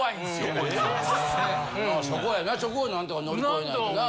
そこやなそこを何とか乗り越えないとな。